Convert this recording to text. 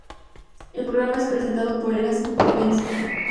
El programa es presentado por Erasmo Provenza.